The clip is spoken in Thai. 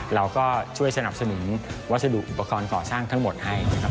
เราก็ช่วยสนับสนุนวัสดุอุปกรณ์ก่อสร้างทั้งหมดให้นะครับ